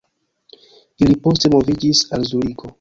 Ili poste moviĝis al Zuriko.